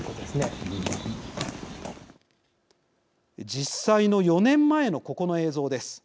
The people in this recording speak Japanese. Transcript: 実際の４年前のここの映像です。